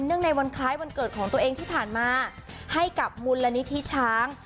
ในวันคล้ายวันเกิดของตัวเองที่ผ่านมาให้กับมูลนิธิช้าง